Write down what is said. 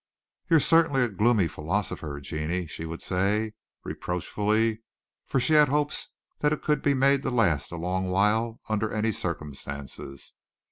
"You're certainly a gloomy philosopher, Genie," she would say, reproachfully, for she had hopes that it could be made to last a long while under any circumstances.